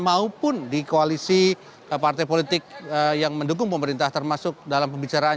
maupun di koalisi partai politik yang mendukung pemerintah termasuk dalam pembicaraan